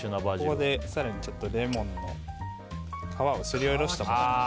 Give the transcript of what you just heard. ここで更にレモンの皮をすり下ろしたもの。